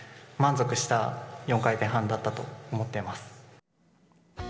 満足した４回転半だったと思っています。